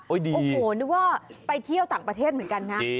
โอ้โหนึกว่าไปเที่ยวต่างประเทศเหมือนกันนะ